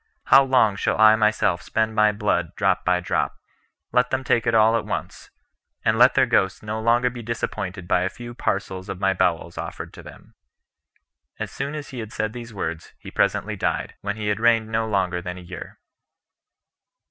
How long shall I myself spend my blood drop by drop? let them take it all at once; and let their ghosts no longer be disappointed by a few parcels of my bowels offered to them." As soon as he had said these words, he presently died, when he had reigned no longer than a year.